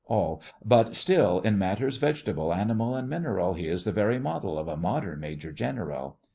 ALL: But still, in matters vegetable, animal, and mineral, He is the very model of a modern Major General.